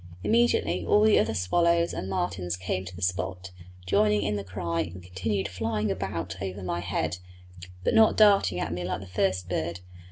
Immediately all the other swallows and martins came to the spot, joining in the cry, and continued flying about over my head, but not darting at me like the first bird.